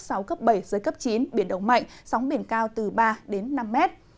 giới cấp bảy giới cấp chín biển động mạnh sóng biển cao từ ba năm mét